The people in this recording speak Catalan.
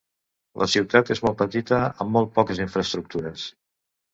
La ciutat és molt petita amb molt poques infraestructures.